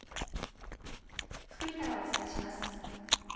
福井からお伝えします。